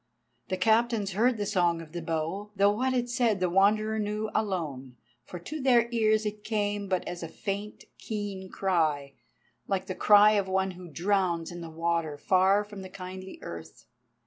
The Captains heard the Song of the Bow, though what it said the Wanderer knew alone, for to their ears it came but as a faint, keen cry, like the cry of one who drowns in the water far from the kindly earth.